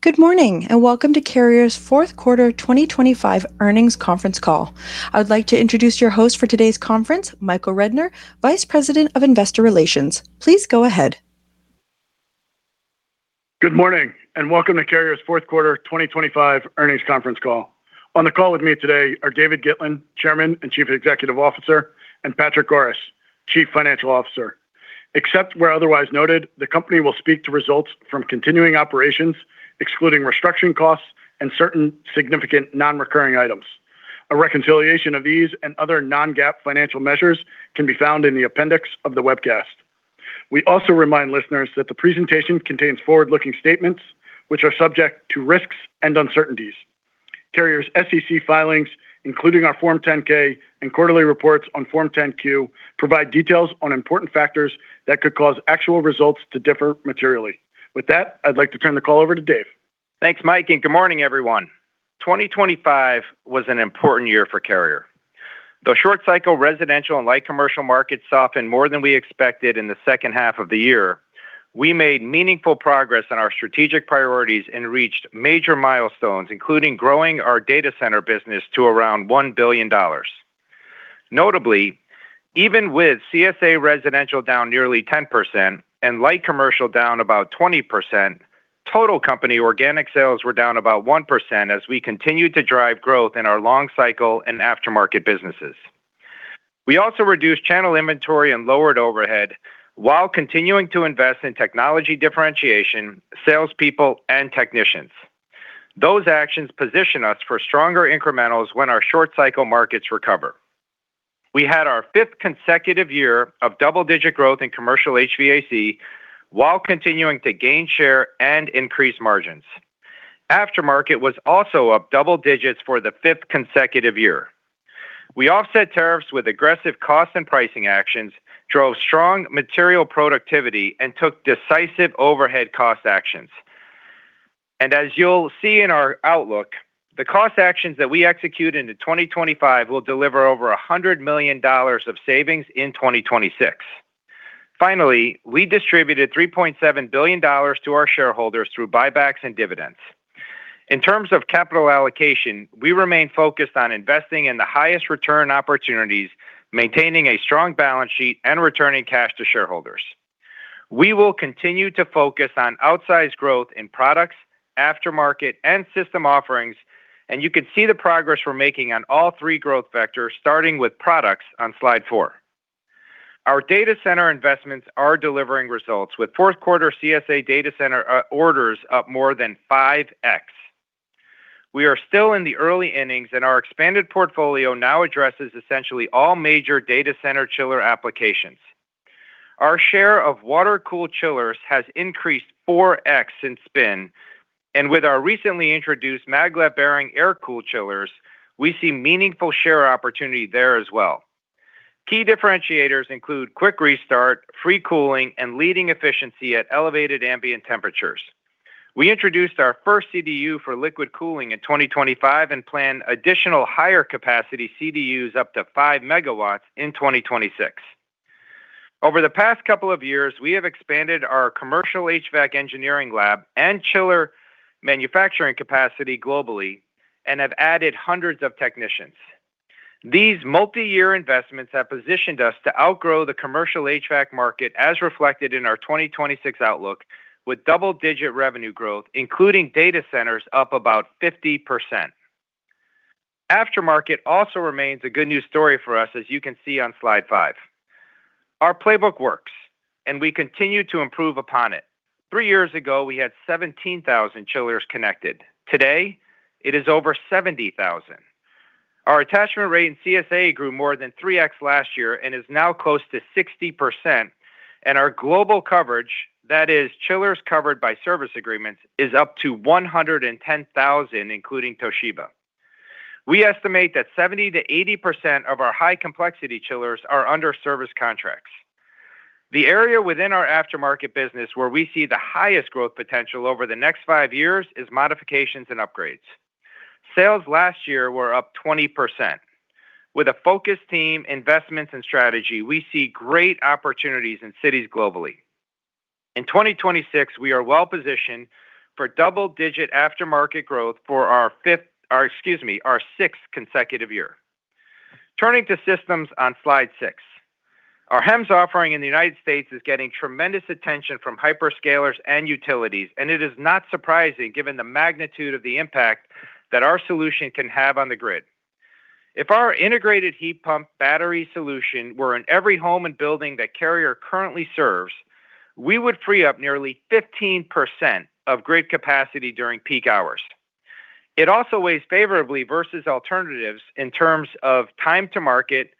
Good morning, and welcome to Carrier's fourth quarter 2025 earnings conference call. I would like to introduce your host for today's conference, Michael Rednor, Vice President of Investor Relations. Please go ahead. Good morning, and welcome to Carrier's fourth quarter 2025 earnings conference call. On the call with me today are David Gitlin, Chairman and Chief Executive Officer, and Patrick Goris, Chief Financial Officer. Except where otherwise noted, the company will speak to results from continuing operations, excluding restructuring costs and certain significant non-recurring items. A reconciliation of these and other non-GAAP financial measures can be found in the appendix of the webcast. We also remind listeners that the presentation contains forward-looking statements which are subject to risks and uncertainties. Carrier's SEC filings, including our Form 10-K and quarterly reports on Form 10-Q, provide details on important factors that could cause actual results to differ materially. With that, I'd like to turn the call over to Dave. Thanks, Mike, and good morning, everyone. 2025 was an important year for Carrier. The short cycle residential and light commercial market softened more than we expected in the second half of the year. We made meaningful progress on our strategic priorities and reached major milestones, including growing our data center business to around $1 billion. Notably, even with CSA residential down nearly 10% and light commercial down about 20%, total company organic sales were down about 1% as we continued to drive growth in our long cycle and aftermarket businesses. We also reduced channel inventory and lowered overhead while continuing to invest in technology differentiation, salespeople, and technicians. Those actions position us for stronger incrementals when our short cycle markets recover. We had our fifth consecutive year of double-digit growth in commercial HVAC, while continuing to gain share and increase margins. Aftermarket was also up double digits for the fifth consecutive year. We offset tariffs with aggressive cost and pricing actions, drove strong material productivity, and took decisive overhead cost actions. And as you'll see in our outlook, the cost actions that we execute into 2025 will deliver over $100 million of savings in 2026. Finally, we distributed $3.7 billion to our shareholders through buybacks and dividends. In terms of capital allocation, we remain focused on investing in the highest return opportunities, maintaining a strong balance sheet, and returning cash to shareholders. We will continue to focus on outsized growth in products, aftermarket, and system offerings, and you can see the progress we're making on all three growth vectors, starting with products on slide 4. Our data center investments are delivering results, with fourth quarter CSA data center orders up more than 5x. We are still in the early innings, and our expanded portfolio now addresses essentially all major data center chiller applications. Our share of water-cooled chillers has increased 4x since spin, and with our recently introduced Mag-Lev bearing air-cooled chillers, we see meaningful share opportunity there as well. Key differentiators include quick restart, free cooling, and leading efficiency at elevated ambient temperatures. We introduced our first CDU for liquid cooling in 2025 and plan additional higher capacity CDUs up to 5 megawatts in 2026. Over the past couple of years, we have expanded our commercial HVAC engineering lab and chiller manufacturing capacity globally and have added hundreds of technicians. These multi-year investments have positioned us to outgrow the commercial HVAC market, as reflected in our 2026 outlook, with double-digit revenue growth, including data centers up about 50%. Aftermarket also remains a good news story for us, as you can see on slide 5. Our playbook works, and we continue to improve upon it. Three years ago, we had 17,000 chillers connected. Today, it is over 70,000. Our attachment rate in CSA grew more than 3x last year and is now close to 60%, and our global coverage, that is, chillers covered by service agreements, is up to 110,000, including Toshiba. We estimate that 70%-80% of our high complexity chillers are under service contracts. The area within our aftermarket business where we see the highest growth potential over the next five years is modifications and upgrades. Sales last year were up 20%. With a focused team, investments, and strategy, we see great opportunities in cities globally. In 2026, we are well positioned for double-digit aftermarket growth for our fifth—or excuse me, our sixth consecutive year. Turning to systems on slide 6. Our HEMS offering in the United States is getting tremendous attention from hyperscalers and utilities, and it is not surprising, given the magnitude of the impact that our solution can have on the grid. If our integrated heat pump battery solution were in every home and building that Carrier currently serves, we would free up nearly 15% of grid capacity during peak hours. It also weighs favorably versus alternatives in terms of time to market,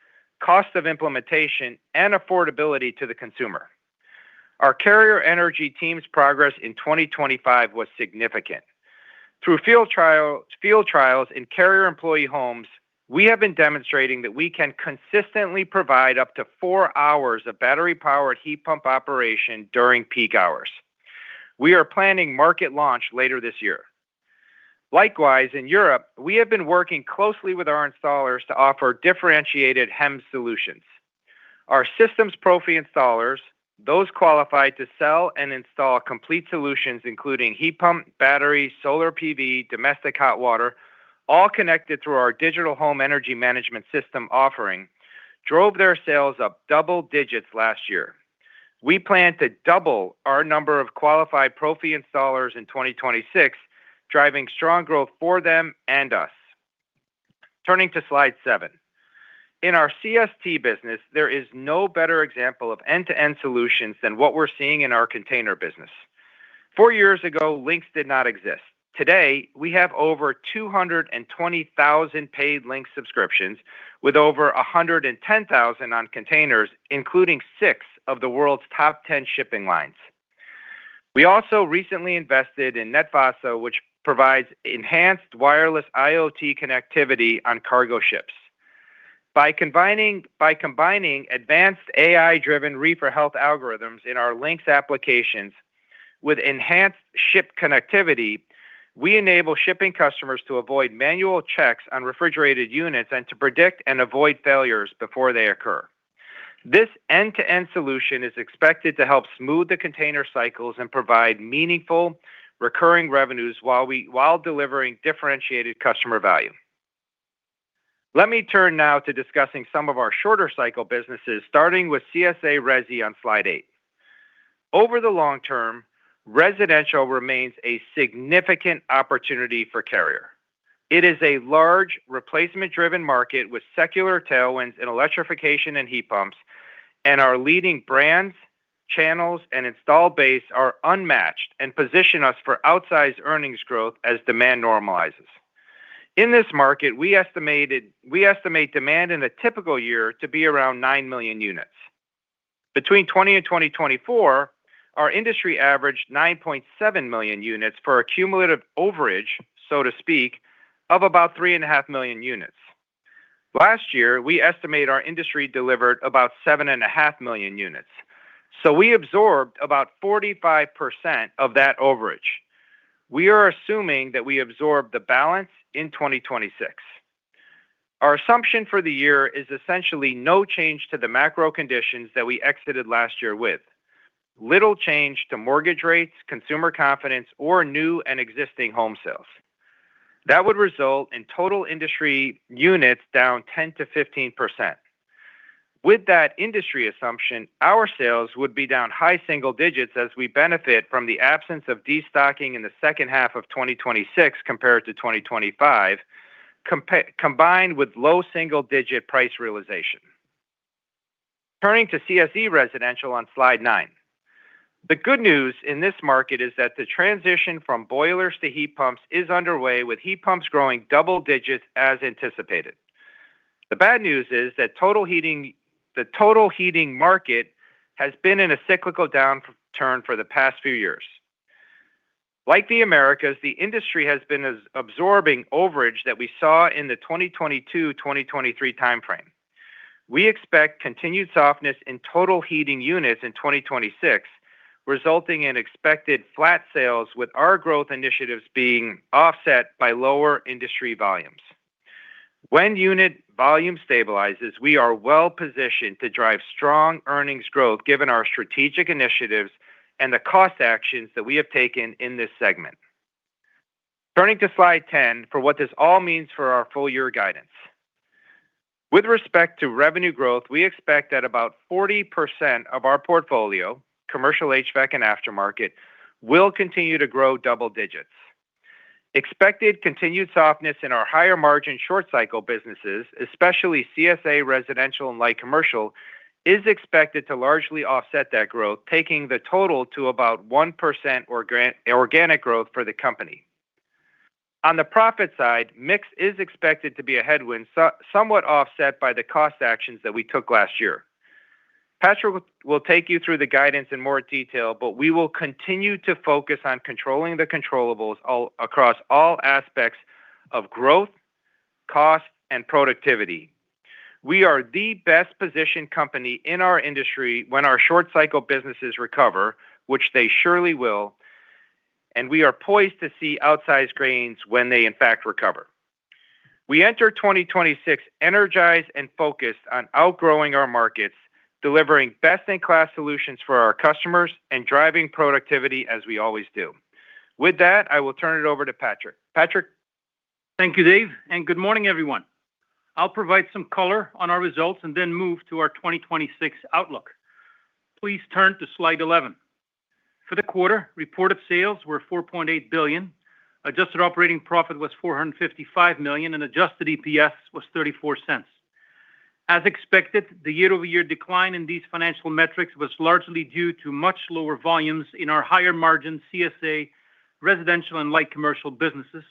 cost of implementation, and affordability to the consumer. Our Carrier energy team's progress in 2025 was significant. Through field trial, field trials in Carrier employee homes, we have been demonstrating that we can consistently provide up to four hours of battery-powered heat pump operation during peak hours. We are planning market launch later this year. Likewise, in Europe, we have been working closely with our installers to offer differentiated HEM solutions. Our System-Profi installers, those qualified to sell and install complete solutions, including heat pump, battery, solar PV, domestic hot water, all connected through our digital home energy management system offering, drove their sales up double digits last year. We plan to double our number of qualified profi installers in 2026, driving strong growth for them and us. Turning to slide seven. In our CST business, there is no better example of end-to-end solutions than what we're seeing in our container business. Four years ago, Lynx did not exist. Today, we have over 220,000 paid link subscriptions, with over 110,000 on containers, including six of the world's top 10 shipping lines. We also recently invested in NetFeasa, which provides enhanced wireless IoT connectivity on cargo ships. By combining advanced AI-driven reefer health algorithms in our links applications with enhanced ship connectivity, we enable shipping customers to avoid manual checks on refrigerated units and to predict and avoid failures before they occur. This end-to-end solution is expected to help smooth the container cycles and provide meaningful recurring revenues while delivering differentiated customer value. Let me turn now to discussing some of our shorter cycle businesses, starting with CSA Resi on slide 8. Over the long term, residential remains a significant opportunity for Carrier. It is a large replacement-driven market with secular tailwinds in electrification and heat pumps, and our leading brands, channels, and install base are unmatched and position us for outsized earnings growth as demand normalizes. In this market, we estimated, we estimate demand in a typical year to be around 9 million units. Between 2020 and 2024, our industry averaged 9.7 million units for a cumulative overage, so to speak, of about 3.5 million units. Last year, we estimate our industry delivered about 7.5 million units, so we absorbed about 45% of that overage. We are assuming that we absorb the balance in 2026. Our assumption for the year is essentially no change to the macro conditions that we exited last year with. Little change to mortgage rates, consumer confidence, or new and existing home sales. That would result in total industry units down 10%-15%. With that industry assumption, our sales would be down high single digits as we benefit from the absence of destocking in the second half of 2026 compared to 2025, combined with low single-digit price realization. Turning to CSE Residential on slide 9. The good news in this market is that the transition from boilers to heat pumps is underway, with heat pumps growing double digits as anticipated. The bad news is that the total heating market has been in a cyclical downturn for the past few years. Like the Americas, the industry has been absorbing overage that we saw in the 2022, 2023 timeframe. We expect continued softness in total heating units in 2026, resulting in expected flat sales, with our growth initiatives being offset by lower industry volumes. When unit volume stabilizes, we are well positioned to drive strong earnings growth, given our strategic initiatives and the cost actions that we have taken in this segment. Turning to slide 10 for what this all means for our full year guidance. With respect to revenue growth, we expect that about 40% of our portfolio, commercial HVAC and aftermarket, will continue to grow double digits. Expected continued softness in our higher-margin short-cycle businesses, especially CSA Residential and Light Commercial, is expected to largely offset that growth, taking the total to about 1% organic growth for the company. On the profit side, mix is expected to be a headwind, somewhat offset by the cost actions that we took last year. Patrick will take you through the guidance in more detail, but we will continue to focus on controlling the controllables all across all aspects of growth, cost, and productivity. We are the best-positioned company in our industry when our short-cycle businesses recover, which they surely will, and we are poised to see outsized gains when they in fact recover. We enter 2026 energized and focused on outgrowing our markets, delivering best-in-class solutions for our customers, and driving productivity as we always do. With that, I will turn it over to Patrick. Patrick? Thank you, Dave, and good morning, everyone. I'll provide some color on our results and then move to our 2026 outlook. Please turn to slide 11. For the quarter, reported sales were $4.8 billion, adjusted operating profit was $455 million, and adjusted EPS was $0.34. As expected, the year-over-year decline in these financial metrics was largely due to much lower volumes in our higher-margin CSA residential and light commercial businesses,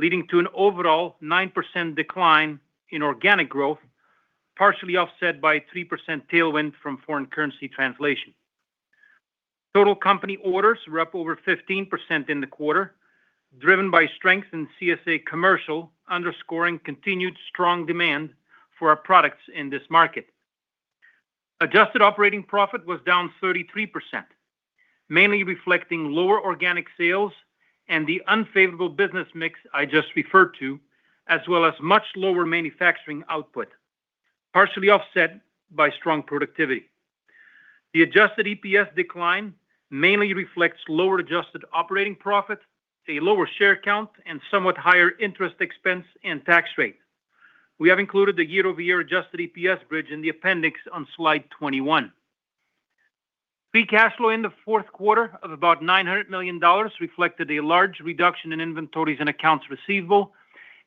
leading to an overall 9% decline in organic growth, partially offset by 3% tailwind from foreign currency translation. Total company orders were up over 15% in the quarter, driven by strength in CSA commercial, underscoring continued strong demand for our products in this market. Adjusted operating profit was down 33%, mainly reflecting lower organic sales and the unfavorable business mix I just referred to, as well as much lower manufacturing output, partially offset by strong productivity. The adjusted EPS decline mainly reflects lower adjusted operating profit, a lower share count, and somewhat higher interest expense and tax rate. We have included the year-over-year adjusted EPS bridge in the appendix on slide 21. Free cash flow in the fourth quarter of about $900 million reflected a large reduction in inventories and accounts receivable,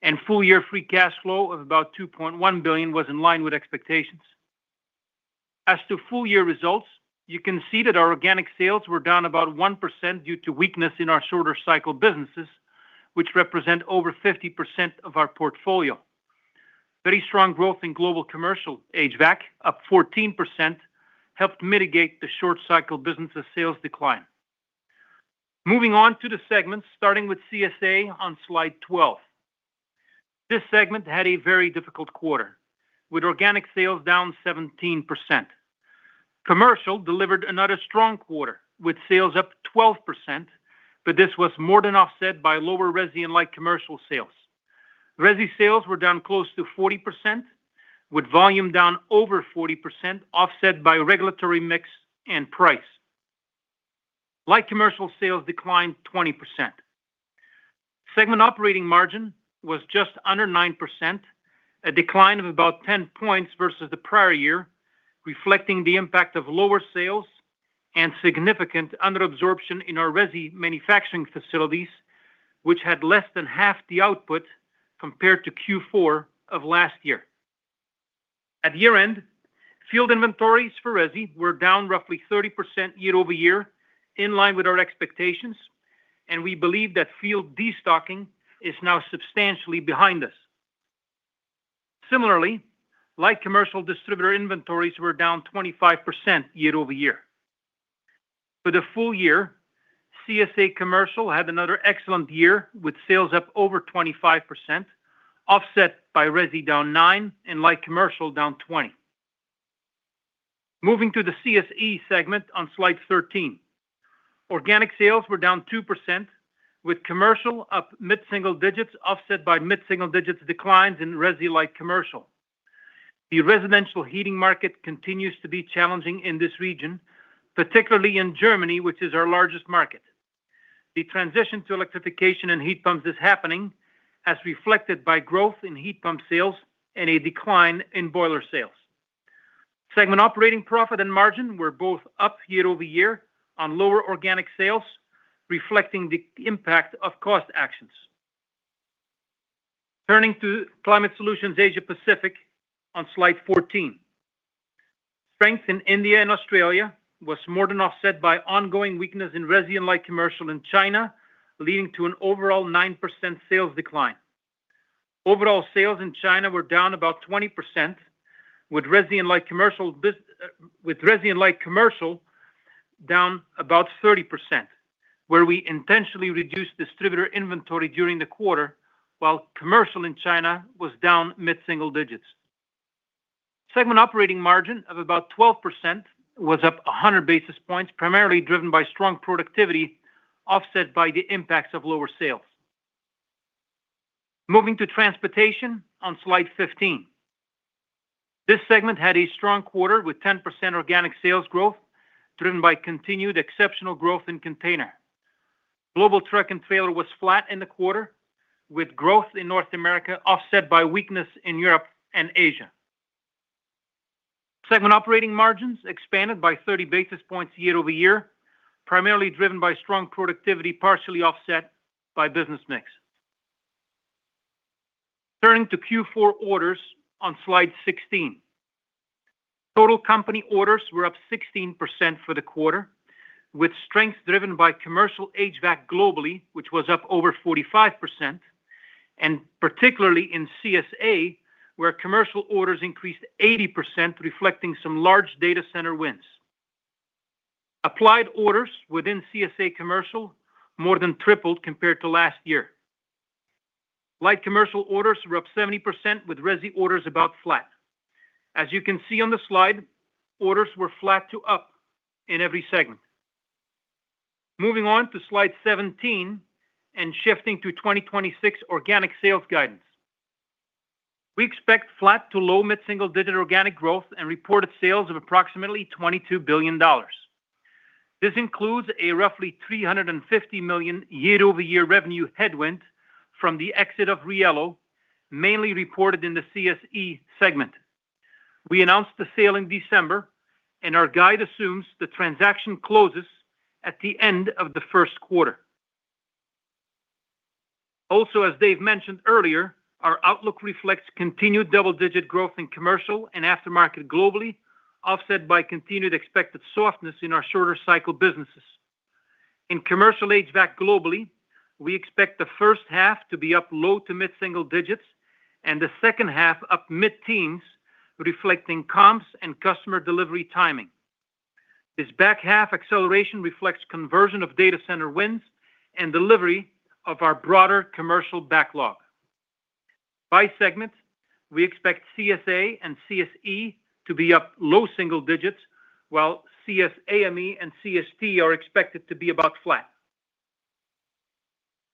and full year free cash flow of about $2.1 billion was in line with expectations. As to full year results, you can see that our organic sales were down about 1% due to weakness in our shorter cycle businesses, which represent over 50% of our portfolio. Very strong growth in global commercial HVAC, up 14%, helped mitigate the short cycle businesses sales decline. Moving on to the segments, starting with CSA on slide 12. This segment had a very difficult quarter, with organic sales down 17%. Commercial delivered another strong quarter, with sales up 12%, but this was more than offset by lower resi and light commercial sales. Resi sales were down close to 40%, with volume down over 40%, offset by regulatory mix and price. Light commercial sales declined 20%. Segment operating margin was just under 9%, a decline of about 10 points versus the prior year, reflecting the impact of lower sales and significant under absorption in our resi manufacturing facilities, which had less than half the output compared to Q4 of last year. At year-end, field inventories for resi were down roughly 30% year-over-year, in line with our expectations, and we believe that field destocking is now substantially behind us. Similarly, light commercial distributor inventories were down 25% year-over-year. For the full year, CSA Commercial had another excellent year, with sales up over 25%, offset by resi down 9% and light commercial down 20%. Moving to the CSE segment on slide 13. Organic sales were down 2%, with commercial up mid-single digits, offset by mid-single digits declines in resi light commercial. The residential heating market continues to be challenging in this region, particularly in Germany, which is our largest market. The transition to electrification and heat pumps is happening, as reflected by growth in heat pump sales and a decline in boiler sales. Segment operating profit and margin were both up year-over-year on lower organic sales, reflecting the impact of cost actions. Turning to Climate Solutions Asia Pacific on slide 14. Strength in India and Australia was more than offset by ongoing weakness in resi and light commercial in China, leading to an overall 9% sales decline. Overall, sales in China were down about 20%, with resi and light commercial down about 30%, where we intentionally reduced distributor inventory during the quarter, while commercial in China was down mid-single digits. Segment operating margin of about 12% was up 100 basis points, primarily driven by strong productivity, offset by the impacts of lower sales. Moving to transportation on slide 15. This segment had a strong quarter with 10% organic sales growth, driven by continued exceptional growth in container. Global truck and trailer was flat in the quarter, with growth in North America offset by weakness in Europe and Asia. Segment operating margins expanded by 30 basis points year-over-year, primarily driven by strong productivity, partially offset by business mix. Turning to Q4 orders on slide 16. Total company orders were up 16% for the quarter, with strength driven by commercial HVAC globally, which was up over 45%, and particularly in CSA, where commercial orders increased 80%, reflecting some large data center wins. Applied orders within CSA Commercial more than tripled compared to last year. Light commercial orders were up 70%, with resi orders about flat. As you can see on the slide, orders were flat to up in every segment. Moving on to slide 17 and shifting to 2026 organic sales guidance. We expect flat to low mid-single-digit organic growth and reported sales of approximately $22 billion. This includes a roughly $350 million year-over-year revenue headwind from the exit of Riello, mainly reported in the CSE segment. We announced the sale in December, and our guide assumes the transaction closes at the end of the first quarter. Also, as Dave mentioned earlier, our outlook reflects continued double-digit growth in commercial and aftermarket globally, offset by continued expected softness in our shorter cycle businesses. In commercial HVAC globally, we expect the first half to be up low to mid-single digits and the second half up mid-teens, reflecting comps and customer delivery timing. This back half acceleration reflects conversion of data center wins and delivery of our broader commercial backlog. By segment, we expect CSA and CSE to be up low single digits, while CSAME and CST are expected to be about flat.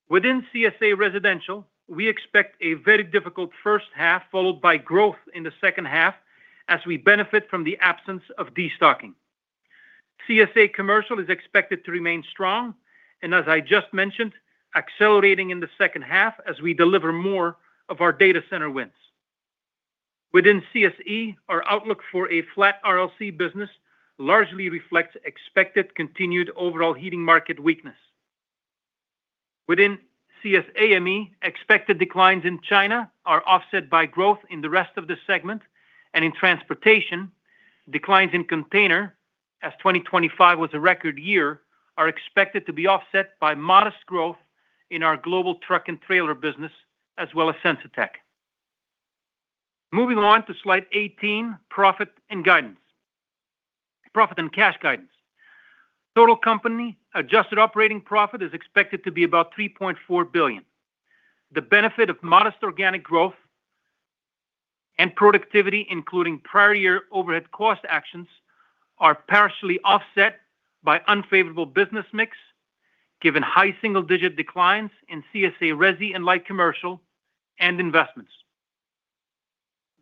Within CSA Residential, we expect a very difficult first half, followed by growth in the second half as we benefit from the absence of destocking. CSA Commercial is expected to remain strong, and as I just mentioned, accelerating in the second half as we deliver more of our data center wins. Within CSE, our outlook for a flat RLC business largely reflects expected continued overall heating market weakness. Within CSAME, expected declines in China are offset by growth in the rest of the segment, and in transportation, declines in container, as 2025 was a record year, are expected to be offset by modest growth in our global truck and trailer business, as well as Sensitech. Moving on to slide 18, profit and guidance. Profit and cash guidance. Total company adjusted operating profit is expected to be about $3.4 billion. The benefit of modest organic growth and productivity, including prior year overhead cost actions, are partially offset by unfavorable business mix, given high single digit declines in CSA Resi and light commercial and investments.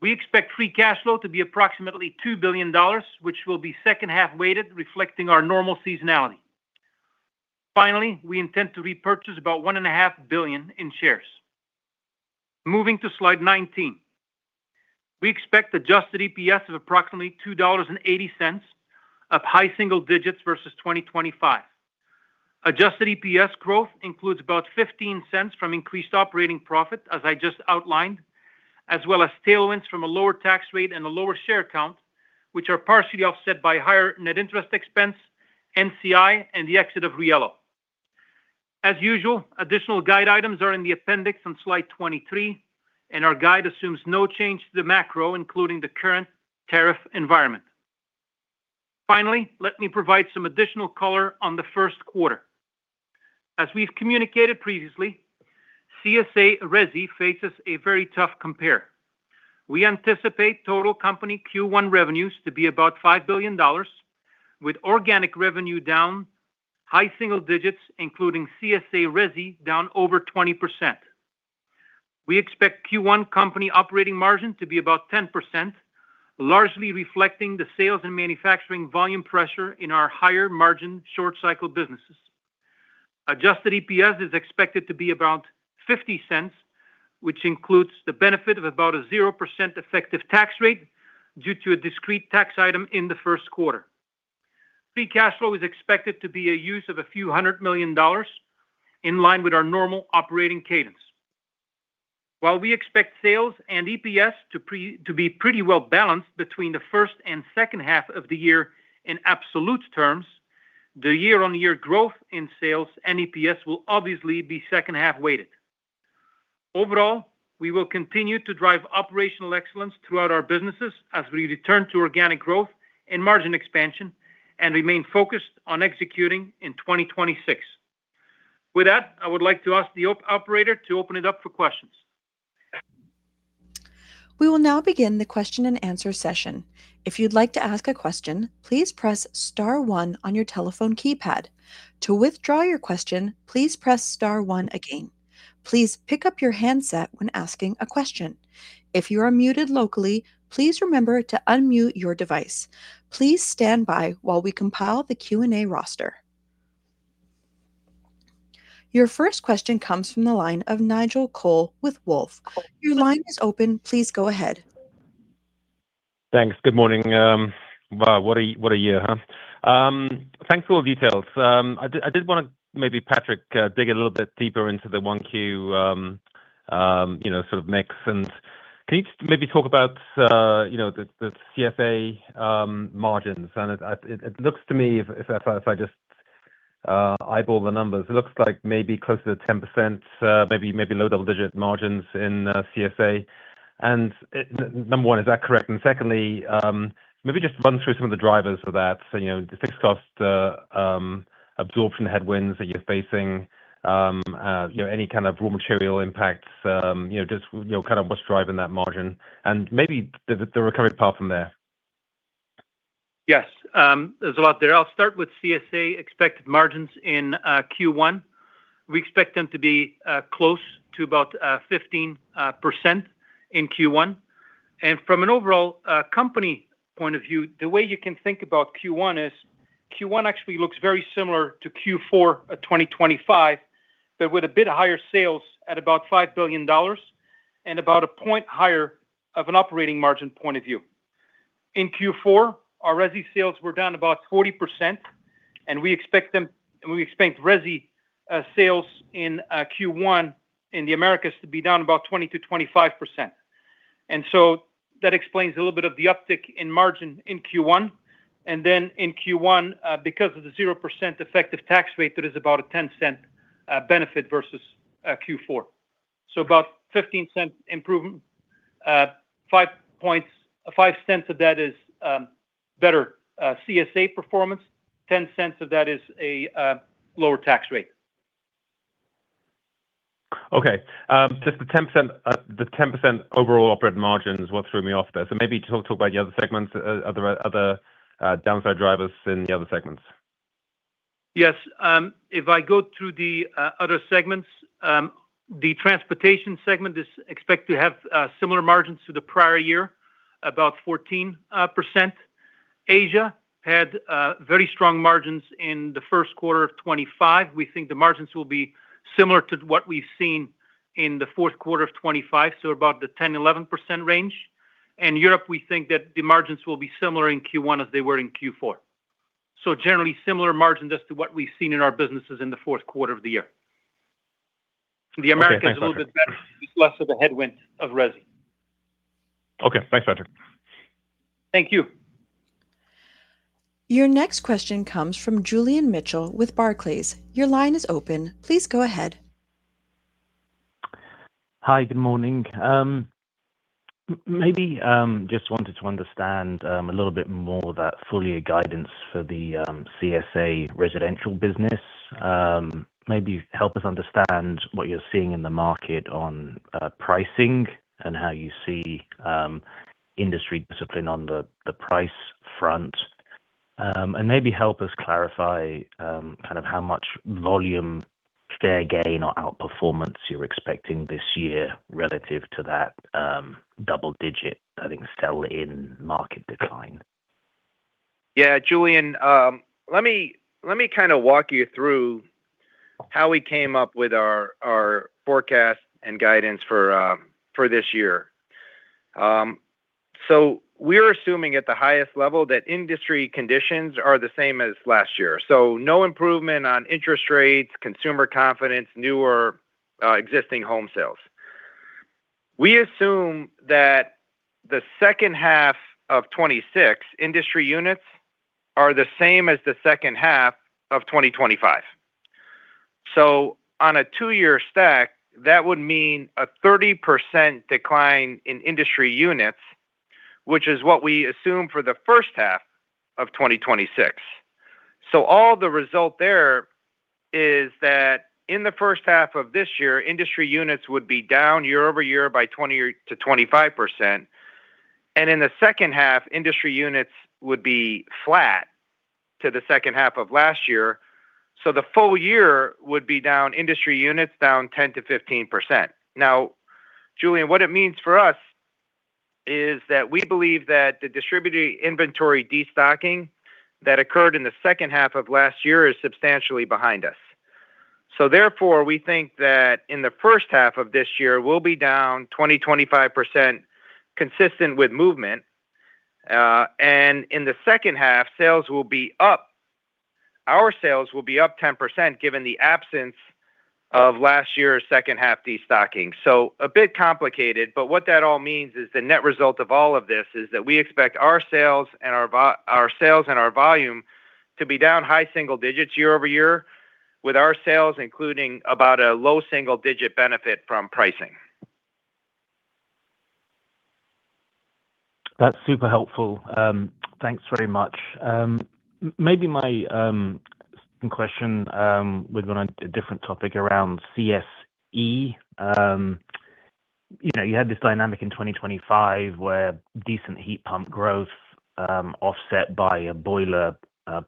We expect free cash flow to be approximately $2 billion, which will be second half-weighted, reflecting our normal seasonality. Finally, we intend to repurchase about $1.5 billion in shares. Moving to slide 19. We expect adjusted EPS of approximately $2.80, up high single digits versus 2025. Adjusted EPS growth includes about $0.15 from increased operating profit, as I just outlined, as well as tailwinds from a lower tax rate and a lower share count, which are partially offset by higher net interest expense, NCI, and the exit of Riello. As usual, additional guide items are in the appendix on slide 23, and our guide assumes no change to the macro, including the current tariff environment. Finally, let me provide some additional color on the first quarter. As we've communicated previously, CSA Resi faces a very tough compare. We anticipate total Company Q1 revenues to be about $5 billion, with organic revenue down high single digits%, including CSA Resi, down over 20%. We expect Q1 company operating margin to be about 10%, largely reflecting the sales and manufacturing volume pressure in our higher margin short cycle businesses. Adjusted EPS is expected to be about $0.50, which includes the benefit of about a 0% effective tax rate due to a discrete tax item in the first quarter. Free cash flow is expected to be a use of a few hundred million dollars, in line with our normal operating cadence. While we expect sales and EPS to be pretty well balanced between the first and second half of the year in absolute terms, the year-on-year growth in sales and EPS will obviously be second half-weighted. Overall, we will continue to drive operational excellence throughout our businesses as we return to organic growth and margin expansion and remain focused on executing in 2026. With that, I would like to ask the operator to open it up for questions. We will now begin the question and answer session. If you'd like to ask a question, please press star one on your telephone keypad. To withdraw your question, please press star one again. Please pick up your handset when asking a question. If you are muted locally, please remember to unmute your device. Please stand by while we compile the Q&A roster. Your first question comes from the line of Nigel Coe with Wolfe. Your line is open. Please go ahead. Thanks. Good morning. Wow, what a, what a year, huh? Thanks for all the details. I did, I did want to, maybe, Patrick, dig a little bit deeper into the 1Q, you know, sort of mix. And can you just maybe talk about, you know, the, the CSA, margins? And it, I, it looks to me, if, if I, if I just, eyeball the numbers, it looks like maybe closer to 10%, maybe, maybe low double-digit margins in, CSA. And, number one, is that correct? And secondly, maybe just run through some of the drivers of that. You know, the fixed cost absorption headwinds that you're facing, you know, any kind of raw material impacts, you know, just, you know, kind of what's driving that margin and maybe the, the recovery path from there. Yes. There's a lot there. I'll start with CSA expected margins in Q1. We expect them to be close to about 15% in Q1. And from an overall company point of view, the way you can think about Q1 is Q1 actually looks very similar to Q4 of 2025, but with a bit higher sales at about $5 billion and about a point higher of an operating margin point of view. In Q4, our resi sales were down about 40%, and we expect resi sales in Q1 in the Americas to be down about 20%-25%. And so that explains a little bit of the uptick in margin in Q1, and then in Q1, because of the 0% effective tax rate, there is about a $0.10 benefit versus Q4. So about a 15-cent improvement-... 5 points, $0.05 of that is better CSA performance, $0.10 of that is a lower tax rate. Okay. Just the 10%, the 10% overall operating margins is what threw me off there. So maybe talk about the other segments, other downside drivers in the other segments. Yes, if I go through the other segments, the transportation segment is expected to have similar margins to the prior year, about 14%. Asia had very strong margins in the first quarter of 2025. We think the margins will be similar to what we've seen in the fourth quarter of 2025, so about the 10%-11% range. In Europe, we think that the margins will be similar in Q1 as they were in Q4. So generally, similar margins as to what we've seen in our businesses in the fourth quarter of the year. Okay, thanks, Patrick. The Americas a little bit better, less of a headwind of resi. Okay, thanks, Patrick. Thank you. Your next question comes from Julian Mitchell with Barclays. Your line is open. Please go ahead. Hi, good morning. Maybe, just wanted to understand, a little bit more about full year guidance for the, CSA residential business. Maybe help us understand what you're seeing in the market on, pricing and how you see, industry discipline on the, the price front. And maybe help us clarify, kind of how much volume fair gain or outperformance you're expecting this year relative to that, double digit, I think, sell-in market decline. Yeah, Julian, let me kinda walk you through how we came up with our forecast and guidance for this year. So we're assuming at the highest level that industry conditions are the same as last year. So no improvement on interest rates, consumer confidence, new or existing home sales. We assume that the second half of 2026 industry units are the same as the second half of 2025. So on a two-year stack, that would mean a 30% decline in industry units, which is what we assume for the first half of 2026. So all the result there is that in the first half of this year, industry units would be down year-over-year by 20%-25%, and in the second half, industry units would be flat to the second half of last year. So the full year would be down, industry units down 10%-15%. Now, Julian, what it means for us is that we believe that the distributor inventory destocking that occurred in the second half of last year is substantially behind us. So therefore, we think that in the first half of this year, we'll be down 20%-25%, consistent with movement. And in the second half, sales will be up. Our sales will be up 10%, given the absence of last year's second half destocking. So a bit complicated, but what that all means is the net result of all of this is that we expect our sales and our sales and our volume to be down high single digits year-over-year, with our sales including about a low single digit benefit from pricing. That's super helpful. Thanks very much. Maybe my question would go on a different topic around CSE. You know, you had this dynamic in 2025, where decent heat pump growth, offset by a boiler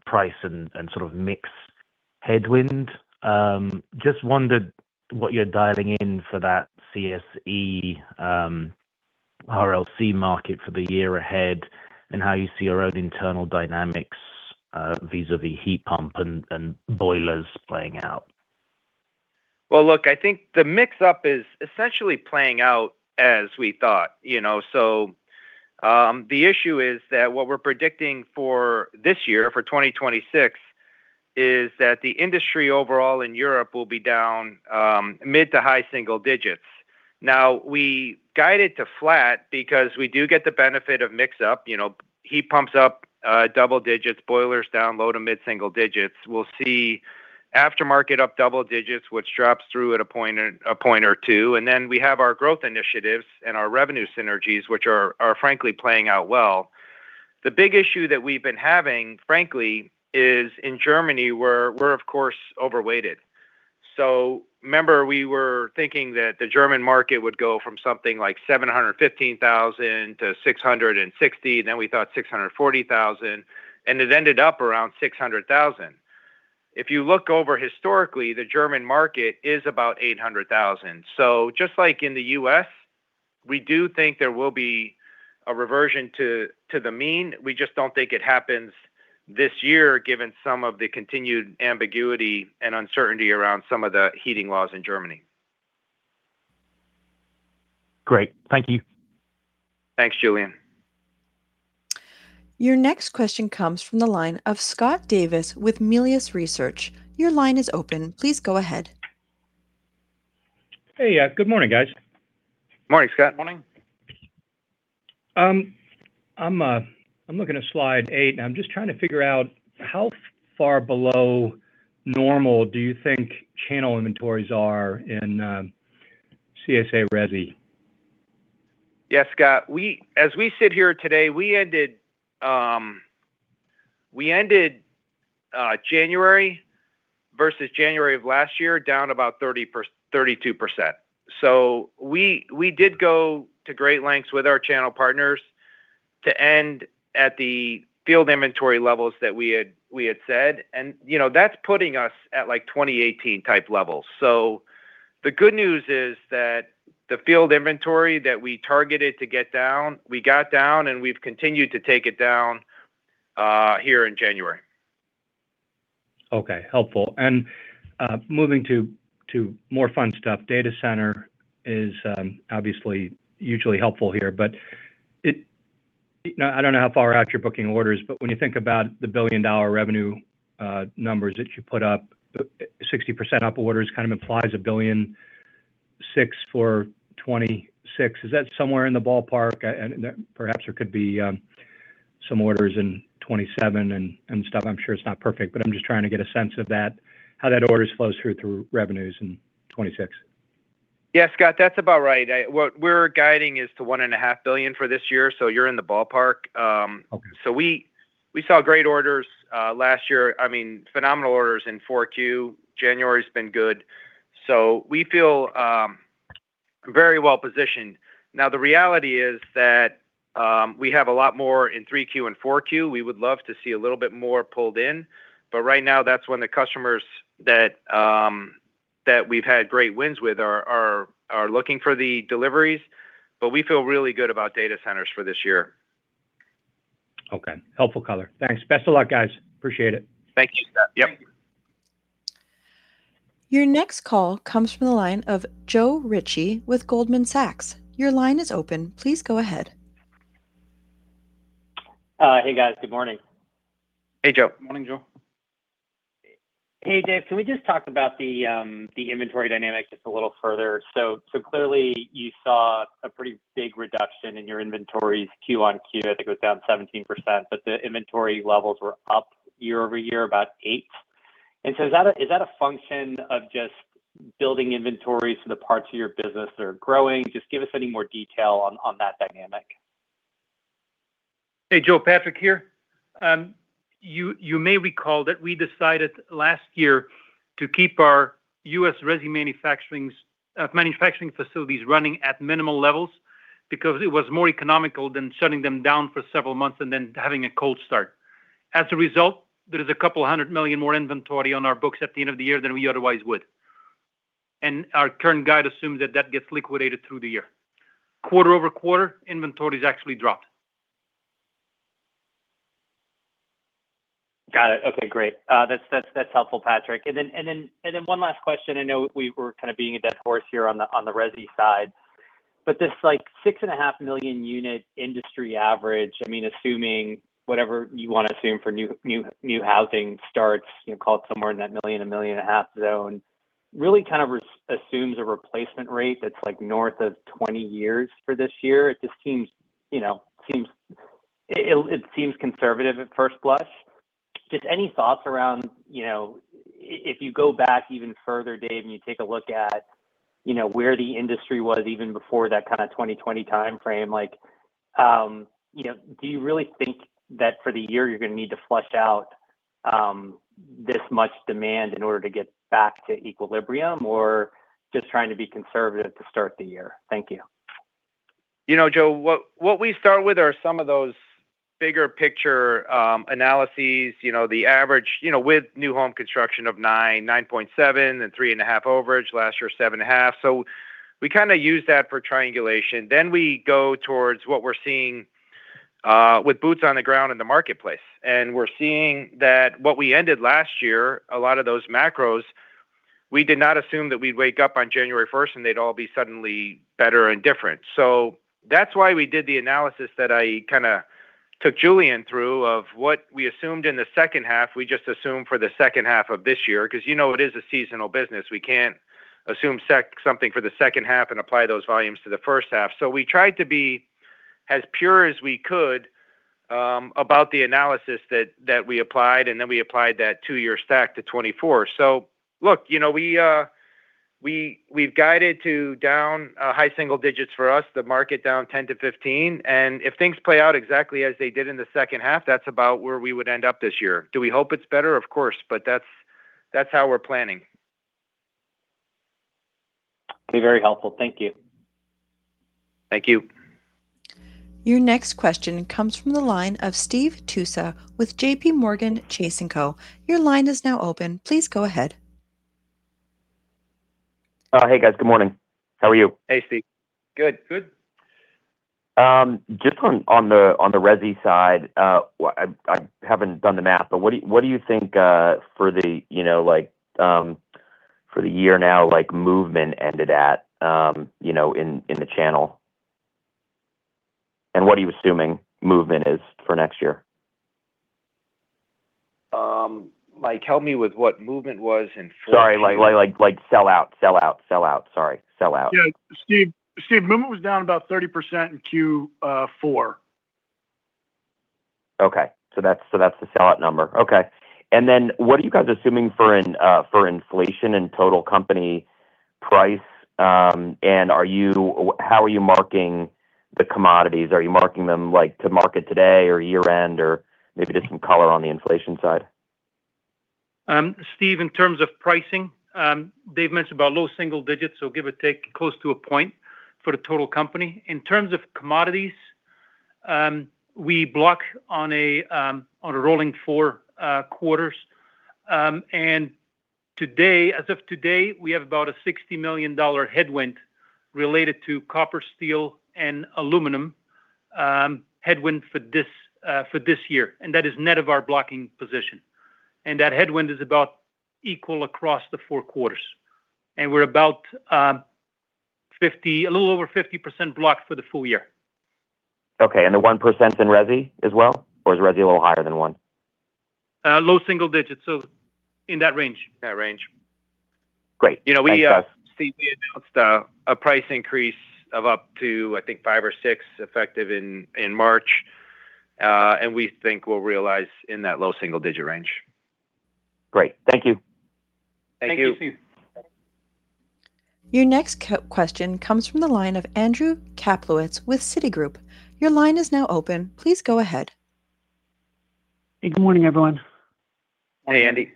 price and sort of mix headwind. Just wondered what you're dialing in for that CSE RLC market for the year ahead and how you see your own internal dynamics vis-a-vis heat pump and boilers playing out. Well, look, I think the mix-up is essentially playing out as we thought, you know? So, the issue is that what we're predicting for this year, for 2026, is that the industry overall in Europe will be down mid- to high-single digits. Now, we guided to flat because we do get the benefit of mix up. You know, heat pumps up double digits, boilers down low- to mid-single digits. We'll see aftermarket up double digits, which drops through at a point, a point or two. And then we have our growth initiatives and our revenue synergies, which are frankly playing out well. The big issue that we've been having, frankly, is in Germany, where we're of course overweighted. So remember, we were thinking that the German market would go from something like 715,000 to 660, then we thought 640,000, and it ended up around 600,000. If you look over historically, the German market is about 800,000. So just like in the U.S., we do think there will be a reversion to the mean. We just don't think it happens this year, given some of the continued ambiguity and uncertainty around some of the heating laws in Germany. Great. Thank you. Thanks, Julian. Your next question comes from the line of Scott Davis with Melius Research. Your line is open. Please go ahead. Hey, good morning, guys. Morning, Scott. Morning.... I'm looking at slide 8, and I'm just trying to figure out how far below normal do you think channel inventories are in CSA resi? Yeah, Scott, as we sit here today, we ended January versus January of last year, down about 32%. So we, we did go to great lengths with our channel partners to end at the field inventory levels that we had, we had said, and, you know, that's putting us at, like, 2018-type levels. So the good news is that the field inventory that we targeted to get down, we got down, and we've continued to take it down here in January. Okay, helpful. And, moving to more fun stuff, data center is obviously usually helpful here, but I don't know how far out you're booking orders, but when you think about the billion-dollar revenue numbers that you put up, 60% up orders kind of implies $1.6 billion for 2026. Is that somewhere in the ballpark? And perhaps there could be some orders in 2027 and stuff. I'm sure it's not perfect, but I'm just trying to get a sense of that, how that orders flows through to revenues in 2026. Yeah, Scott, that's about right. What we're guiding is to $1.5 billion for this year, so you're in the ballpark. Okay. So we saw great orders last year, I mean, phenomenal orders in Q4. January's been good, so we feel very well positioned. Now, the reality is that we have a lot more in Q3 and Q4. We would love to see a little bit more pulled in, but right now, that's when the customers that we've had great wins with are looking for the deliveries, but we feel really good about data centers for this year. Okay. Helpful color. Thanks. Best of luck, guys. Appreciate it. Thank you, Scott. Yep. Your next call comes from the line of Joe Ritchie with Goldman Sachs. Your line is open. Please go ahead. Hey, guys. Good morning. Hey, Joe. Morning, Joe. Hey, Dave, can we just talk about the inventory dynamics just a little further? So, so clearly, you saw a pretty big reduction in your inventories Q on Q. I think it was down 17%, but the inventory levels were up year-over-year about 8%. And so is that a, is that a function of just building inventories in the parts of your business that are growing? Just give us any more detail on, on that dynamic. Hey, Joe. Patrick here. You may recall that we decided last year to keep our U.S. resi manufacturing facilities running at minimal levels because it was more economical than shutting them down for several months and then having a cold start. As a result, there is $200 million more inventory on our books at the end of the year than we otherwise would, and our current guide assumes that that gets liquidated through the year. Quarter-over-quarter, inventories actually dropped. Got it. Okay, great. That's helpful, Patrick. And then one last question. I know we're kind of beating a dead horse here on the resi side, but this 6.5 million unit industry average, I mean, assuming whatever you want to assume for new housing starts, you know, call it somewhere in that million, 1.5 million zone, really kind of assumes a replacement rate that's like north of 20 years for this year. It just seems, you know, it seems conservative at first blush. Just any thoughts around, you know, if you go back even further, Dave, and you take a look at, you know, where the industry was even before that kind of 2020 time frame, like, you know, do you really think that for the year, you're gonna need to flush out, this much demand in order to get back to equilibrium, or just trying to be conservative to start the year? Thank you. You know, Joe, what we start with are some of those bigger picture analyses, you know, the average, you know, with new home construction of 9, 9.7 and 3.5 average, last year, 7.5. So we kinda use that for triangulation. Then we go towards what we're seeing with boots on the ground in the marketplace, and we're seeing that what we ended last year, a lot of those macros, we did not assume that we'd wake up on January first, and they'd all be suddenly better and different. So that's why we did the analysis that I kinda took Julian through of what we assumed in the second half, we just assumed for the second half of this year. 'Cause, you know, it is a seasonal business. We can't assume something for the second half and apply those volumes to the first half. So we tried to be as pure as we could about the analysis that we applied, and then we applied that two-year stack to 2024. So look, you know, we've guided to down high single digits for us, the market down 10-15, and if things play out exactly as they did in the second half, that's about where we would end up this year. Do we hope it's better? Of course, but that's how we're planning. Okay, very helpful. Thank you. Thank you. Your next question comes from the line of Steve Tusa with J.P. Morgan. Your line is now open. Please go ahead. Hey, guys. Good morning. How are you? Hey, Steve. Good. Good. Just on the resi side, I haven't done the math, but what do you think for the year now, like, movement ended at, you know, in the channel? And what are you assuming movement is for next year?... like help me with what movement was in fourth- Sorry, like sell out. Sorry, sell out. Yeah, Steve, Steve, movement was down about 30% in Q4. Okay. So that's the sellout number. Okay. And then what are you guys assuming for inflation and total company price? And are you or how are you marking the commodities? Are you marking them, like, to market today or year-end, or maybe just some color on the inflation side? Steve, in terms of pricing, Dave mentioned about low single digits, so give or take, close to a point for the total company. In terms of commodities, we block on a rolling four quarters. And today, as of today, we have about a $60 million headwind related to copper, steel, and aluminum, headwind for this year, and that is net of our blocking position. And that headwind is about equal across the four quarters. And we're about fifty-- a little over 50% blocked for the full year. Okay, and the 1% is in resi as well, or is resi a little higher than 1? Low single digits, so in that range. That range. Great. Thanks, guys. You know, Steve, we announced a price increase of up to, I think, 5 or 6, effective in March. And we think we'll realize in that low single-digit range. Great. Thank you. Thank you. Thank you, Steve. Your next question comes from the line of Andrew Kaplowitz with Citigroup. Your line is now open. Please go ahead. Good morning, everyone. Hey, Andy.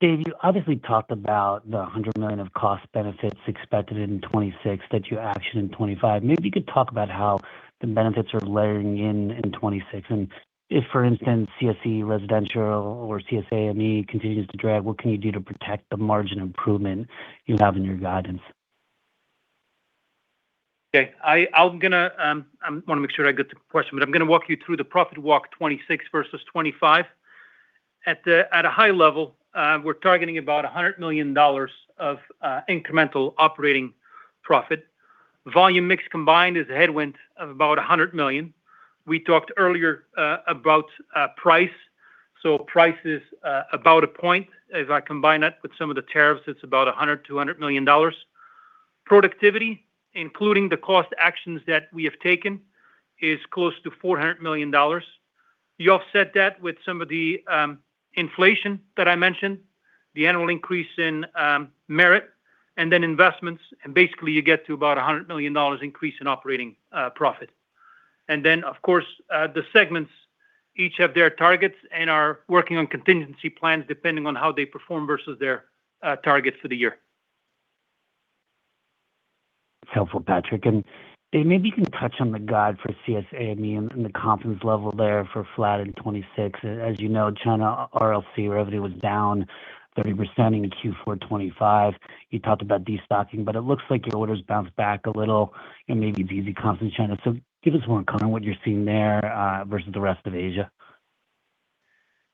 Dave, you obviously talked about the $100 million of cost benefits expected in 2026 that you actioned in 2025. Maybe you could talk about how the benefits are layering in in 2026, and if, for instance, CSE residential or CSAME continues to drag, what can you do to protect the margin improvement you have in your guidance? Okay, I'm gonna make sure I get the question, but I'm gonna walk you through the profit walk 2026 versus 2025. At a high level, we're targeting about $100 million of incremental operating profit. Volume mix combined is a headwind of about $100 million. We talked earlier about price. So price is about a point. If I combine that with some of the tariffs, it's about $100-$200 million. Productivity, including the cost actions that we have taken, is close to $400 million. You offset that with some of the inflation that I mentioned, the annual increase in merit, and then investments, and basically you get to about $100 million increase in operating profit. Then, of course, the segments each have their targets and are working on contingency plans depending on how they perform versus their targets for the year. Helpful, Patrick. Dave, maybe you can touch on the guide for CSAME and the confidence level there for flat in 2026. As you know, China RLC revenue was down 30% in Q4 2025. You talked about destocking, but it looks like your orders bounced back a little and maybe easy confidence in China. So give us more on what you're seeing there versus the rest of Asia.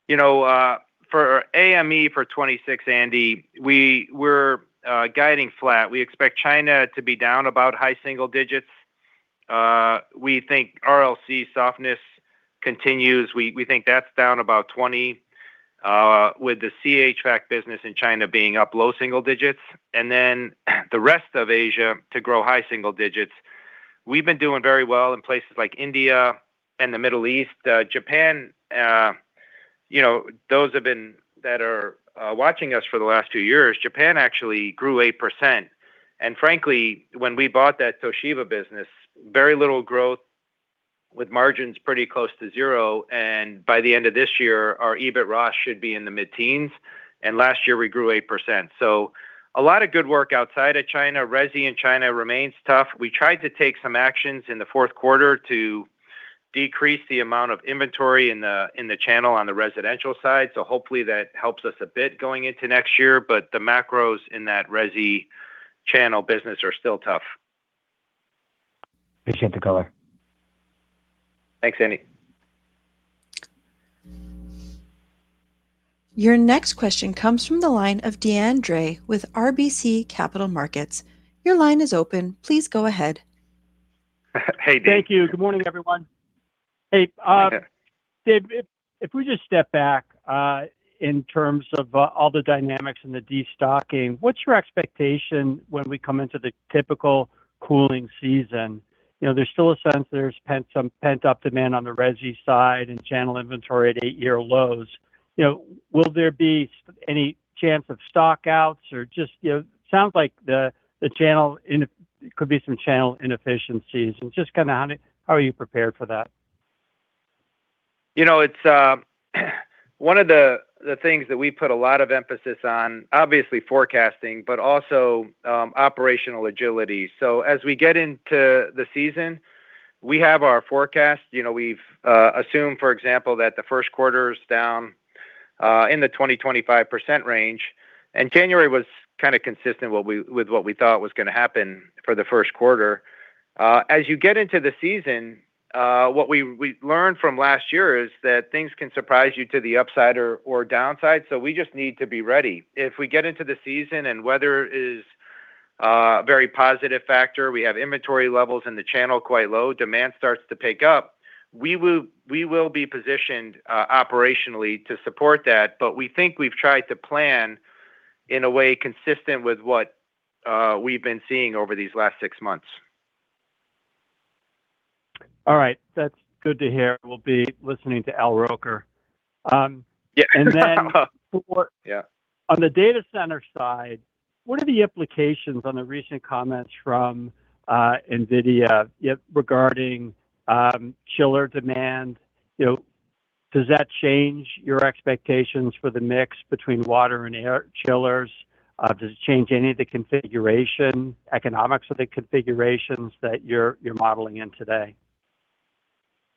You know, for AME for 2026, Andy, we were guiding flat. We expect China to be down about high single digits. We think RLC softness continues. We think that's down about 20, with the CA track business in China being up low single digits, and then the rest of Asia to grow high single digits. We've been doing very well in places like India and the Middle East. Japan, you know, those that are watching us for the last two years, Japan actually grew 8%. And frankly, when we bought that Toshiba business, very little growth with margins pretty close to zero, and by the end of this year, our EBITDA should be in the mid-teens, and last year we grew 8%. So a lot of good work outside of China. Resi in China remains tough. We tried to take some actions in the fourth quarter to decrease the amount of inventory in the channel on the residential side, so hopefully, that helps us a bit going into next year, but the macros in that resi channel business are still tough. Appreciate the color. Thanks, Andy. Your next question comes from the line of Deane Dray with RBC Capital Markets. Your line is open. Please go ahead. Hey. Thank you. Good morning, everyone. Hey, Hi there. Dave, if we just step back in terms of all the dynamics in the destocking, what's your expectation when we come into the typical cooling season? You know, there's still a sense there's pent-up demand on the resi side and channel inventory at eight-year lows. You know, will there be any chance of stock outs or just, you know— Sounds like the channel could be some channel inefficiencies. And just kinda how are you prepared for that? You know, it's one of the things that we put a lot of emphasis on, obviously forecasting, but also operational agility. So as we get into the season, we have our forecast. You know, we've assumed, for example, that the first quarter is down in the 20%-25% range, and January was kinda consistent with what we thought was gonna happen for the first quarter. As you get into the season, what we learned from last year is that things can surprise you to the upside or downside, so we just need to be ready. If we get into the season and weather is a very positive factor. We have inventory levels in the channel quite low. Demand starts to pick up, we will, we will be positioned operationally to support that, but we think we've tried to plan in a way consistent with what we've been seeing over these last six months. All right. That's good to hear. We'll be listening to Al Roker. Yeah. And then- Yeah On the data center side, what are the implications on the recent comments from NVIDIA regarding chiller demand? You know, does that change your expectations for the mix between water and air chillers? Does it change any of the configuration, economics of the configurations that you're modeling in today?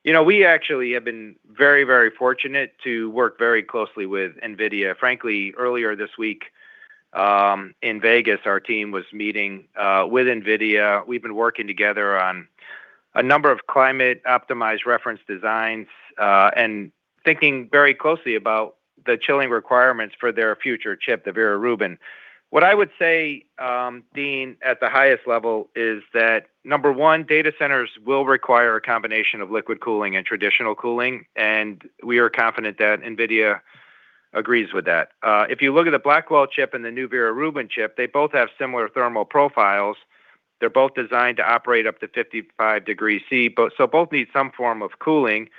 You know, we actually have been very, very fortunate to work very closely with NVIDIA. Frankly, earlier this week in Vegas, our team was meeting with NVIDIA. We've been working together on a number of climate-optimized reference designs and thinking very closely about the chilling requirements for their future chip, the Vera Rubin. What I would say, Deane, at the highest level, is that, number one, data centers will require a combination of liquid cooling and traditional cooling, and we are confident that NVIDIA agrees with that. If you look at the Blackwell chip and the new Vera Rubin chip, they both have similar thermal profiles. They're both designed to operate up to 55 degrees Celsius, so both need some form of cooling.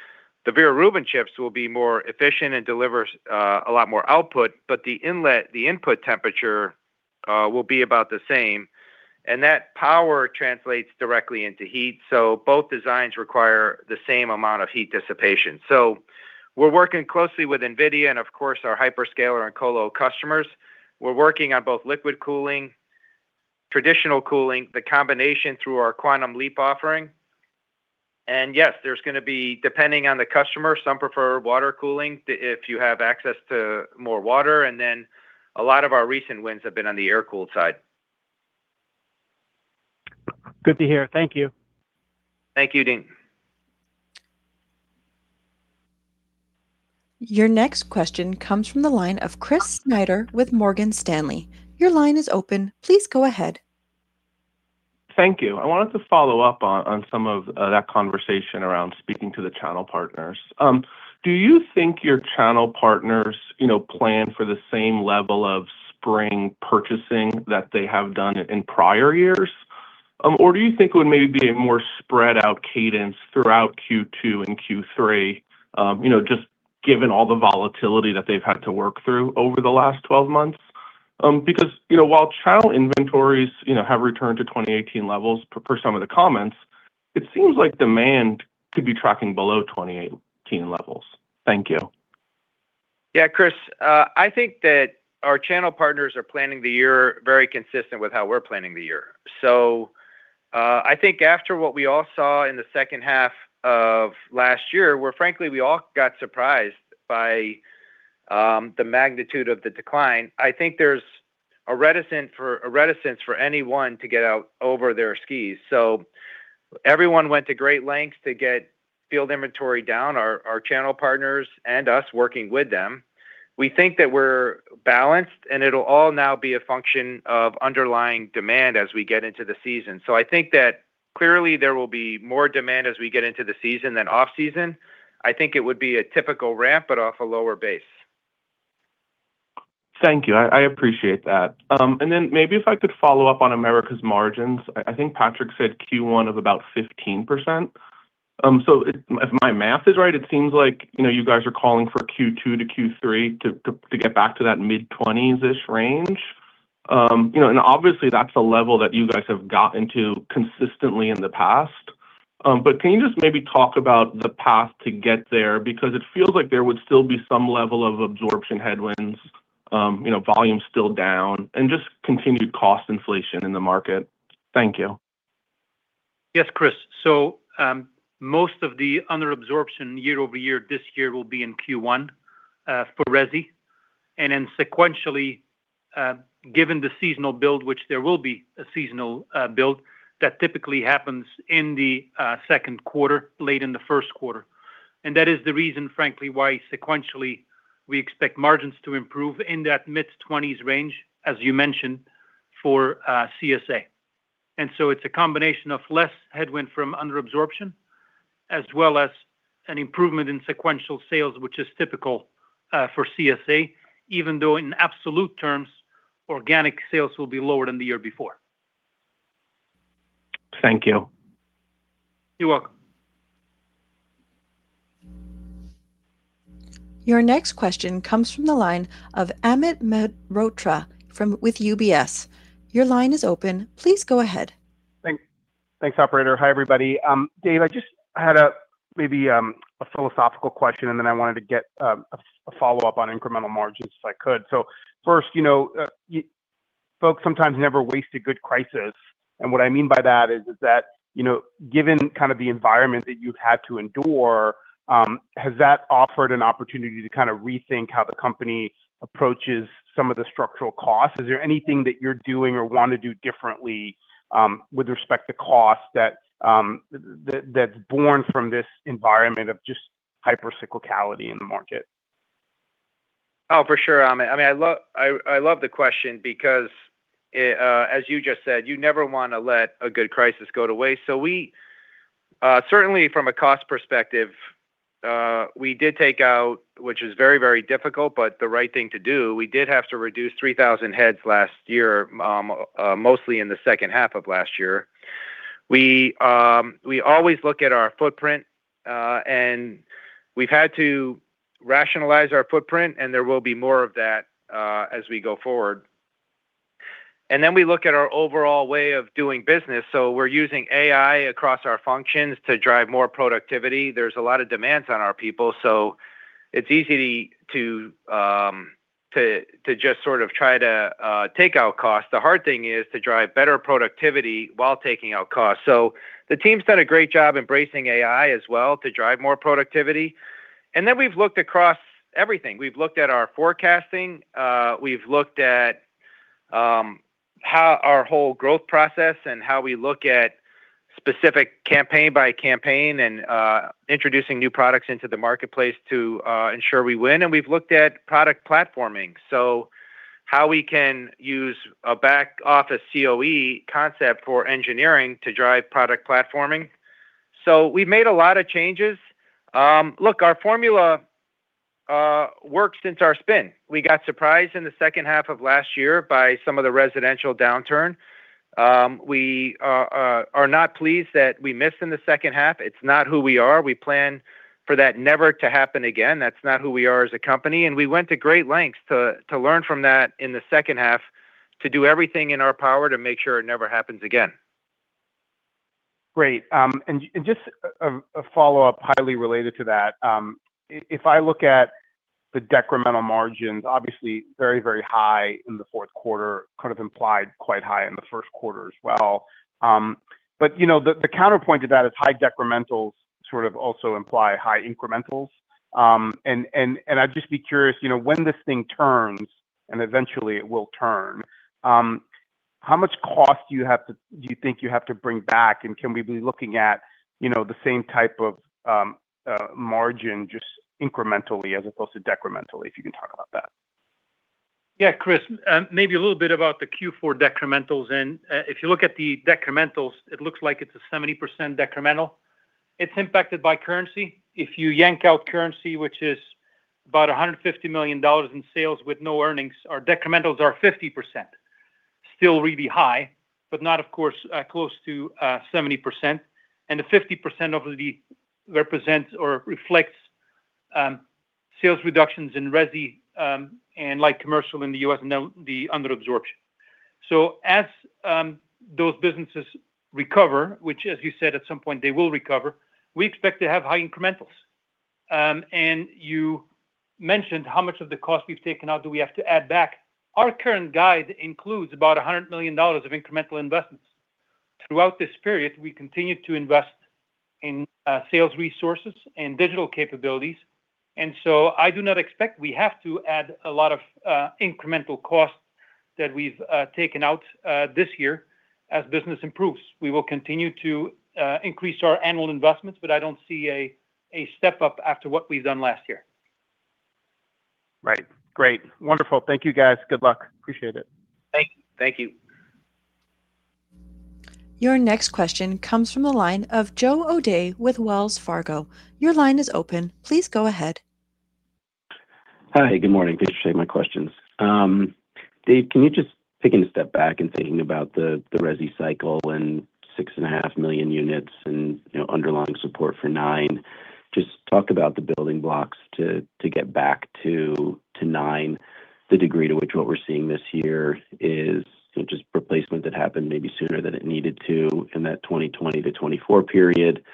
The Vera Rubin chips will be more efficient and delivers a lot more output, but the inlet, the input temperature, will be about the same, and that power translates directly into heat. So both designs require the same amount of heat dissipation. So we're working closely with NVIDIA and, of course, our hyperscaler and colo customers. We're working on both liquid cooling, traditional cooling, the combination through our Quantum Leap offering. And yes, there's gonna be, depending on the customer, some prefer water cooling, if you have access to more water, and then a lot of our recent wins have been on the air-cooled side. Good to hear. Thank you. Thank you, Deane. Your next question comes from the line of Chris Snyder with Morgan Stanley. Your line is open. Please go ahead. Thank you. I wanted to follow up on some of that conversation around speaking to the channel partners. Do you think your channel partners, you know, plan for the same level of spring purchasing that they have done in prior years? Or do you think it would maybe be a more spread out cadence throughout Q2 and Q3, you know, just given all the volatility that they've had to work through over the last 12 months? Because, you know, while channel inventories, you know, have returned to 2018 levels, per some of the comments, it seems like demand could be tracking below 2018 levels. Thank you. Yeah, Chris, I think that our channel partners are planning the year very consistent with how we're planning the year. So, I think after what we all saw in the second half of last year, where frankly, we all got surprised by the magnitude of the decline, I think there's a reticent for-- a reticence for anyone to get out over their skis. So everyone went to great lengths to get field inventory down, our channel partners and us working with them. We think that we're balanced, and it'll all now be a function of underlying demand as we get into the season. So I think that clearly there will be more demand as we get into the season than off-season. I think it would be a typical ramp, but off a lower base. Thank you. I appreciate that. And then maybe if I could follow up on Americas' margins. I think Patrick said Q1 of about 15%. So if my math is right, it seems like, you know, you guys are calling for Q2 to Q3 to get back to that mid-20s-ish range. You know, and obviously, that's a level that you guys have gotten to consistently in the past. But can you just maybe talk about the path to get there? Because it feels like there would still be some level of absorption headwinds, you know, volume still down, and just continued cost inflation in the market. Thank you. Yes, Chris. So, most of the under absorption year-over-year, this year will be in Q1, for resi. And then sequentially, given the seasonal build, which there will be a seasonal build, that typically happens in the second quarter, late in the first quarter. And that is the reason, frankly, why sequentially, we expect margins to improve in that mid-twenties range, as you mentioned, for CSA. And so it's a combination of less headwind from under absorption, as well as an improvement in sequential sales, which is typical, for CSA, even though in absolute terms, organic sales will be lower than the year before. Thank you. You're welcome. Your next question comes from the line of Amit Mehrotra with UBS. Your line is open. Please go ahead. Thanks, thanks, operator. Hi, everybody. Dave, I just had a maybe a philosophical question, and then I wanted to get a follow-up on incremental margins, if I could. So first, you know, folks sometimes never waste a good crisis, and what I mean by that is that, you know, given kind of the environment that you've had to endure, has that offered an opportunity to kind of rethink how the company approaches some of the structural costs? Is there anything that you're doing or want to do differently with respect to cost that that's born from this environment of just hyper cyclicality in the market?... Oh, for sure, Amit. I mean, I love the question because, as you just said, you never wanna let a good crisis go to waste. So we certainly from a cost perspective, we did take out, which is very, very difficult, but the right thing to do, we did have to reduce 3,000 heads last year, mostly in the second half of last year. We always look at our footprint, and we've had to rationalize our footprint, and there will be more of that as we go forward. And then we look at our overall way of doing business. So we're using AI across our functions to drive more productivity. There's a lot of demands on our people, so it's easy to just sort of try to take out costs. The hard thing is to drive better productivity while taking out costs. So the team's done a great job embracing AI as well to drive more productivity. And then we've looked across everything. We've looked at our forecasting, how our whole growth process and how we look at specific campaign by campaign and introducing new products into the marketplace to ensure we win. And we've looked at product platforming, so how we can use a back-office COE concept for engineering to drive product platforming. So we've made a lot of changes. Look, our formula worked since our spin. We got surprised in the second half of last year by some of the residential downturn. We are not pleased that we missed in the second half. It's not who we are. We plan for that never to happen again. That's not who we are as a company, and we went to great lengths to, to learn from that in the second half, to do everything in our power to make sure it never happens again. Great. And just a follow-up highly related to that. If I look at the decremental margins, obviously very, very high in the fourth quarter, kind of implied quite high in the first quarter as well. But, you know, the counterpoint to that is high decrementals sort of also imply high incrementals. And I'd just be curious, you know, when this thing turns, and eventually it will turn, how much cost do you have to - do you think you have to bring back? And can we be looking at, you know, the same type of margin, just incrementally as opposed to decrementally, if you can talk about that? Yeah, Chris, maybe a little bit about the Q4 decrementals, and if you look at the decrementals, it looks like it's a 70% decremental. It's impacted by currency. If you yank out currency, which is about $150 million in sales with no earnings, our decrementals are 50%. Still really high, but not, of course, close to 70%, and the 50% of the represents or reflects sales reductions in resi and light commercial in the US, and now the under absorption. So as those businesses recover, which, as you said, at some point they will recover, we expect to have high incrementals. And you mentioned how much of the cost we've taken out do we have to add back? Our current guide includes about $100 million of incremental investments. Throughout this period, we continued to invest in sales resources and digital capabilities, and so I do not expect we have to add a lot of incremental costs that we've taken out this year as business improves. We will continue to increase our annual investments, but I don't see a step up after what we've done last year. Right. Great. Wonderful. Thank you, guys. Good luck. Appreciate it. Thank you. Thank you. Your next question comes from the line of Joe O'Dea with Wells Fargo. Your line is open. Please go ahead. Hi, good morning. Thanks for taking my questions. Dave, can you just taking a step back and thinking about the, the resi cycle and 6.5 million units and, you know, underlying support for 9, just talk about the building blocks to, to get back to, to 9, the degree to which what we're seeing this year is just replacement that happened maybe sooner than it needed to in that 2020-2024 period,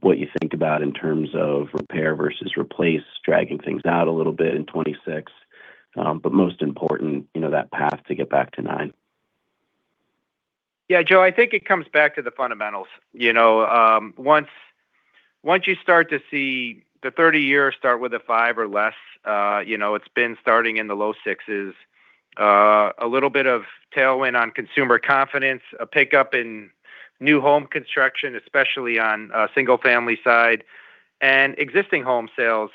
what you think about in terms of repair versus replace, dragging things out a little bit in 2026, but most important, you know, that path to get back to 9. Yeah, Joe, I think it comes back to the fundamentals. You know, once, once you start to see the 30 years start with a 5 or less, you know, it's been starting in the low 6s. A little bit of tailwind on consumer confidence, a pickup in new home construction, especially on the single-family side and existing home sales.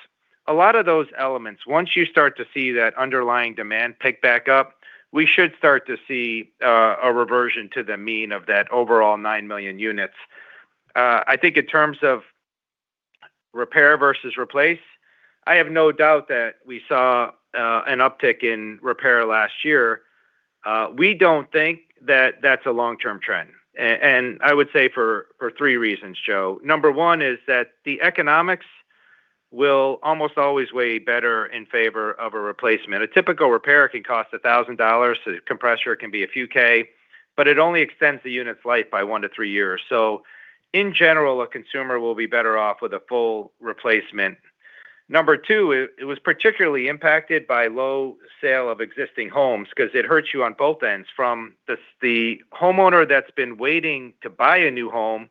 A lot of those elements, once you start to see that underlying demand pick back up, we should start to see a reversion to the mean of that overall 9 million units. I think in terms of repair versus replace, I have no doubt that we saw an uptick in repair last year. We don't think that that's a long-term trend. And I would say for 3 reasons, Joe. Number 1 is that the economics will almost always weigh better in favor of a replacement. A typical repair can cost $1,000, a compressor can be a few K, but it only extends the unit's life by 1-3 years. So in general, a consumer will be better off with a full replacement. Number two, it was particularly impacted by low sale of existing homes 'cause it hurts you on both ends, from the homeowner that's been waiting to buy a new home